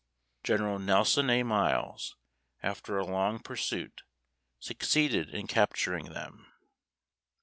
General Nelson A. Miles, after a long pursuit, succeeded in capturing them.